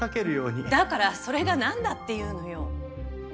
だからそれがなんだっていうのよ！